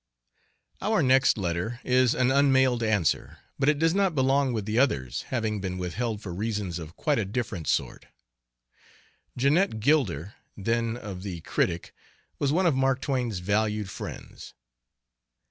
Our next letter is an unmailed answer, but it does not belong with the others, having been withheld for reasons of quite a different sort. Jeanette Gilder, then of the Critic, was one of Mark Twain's valued friends.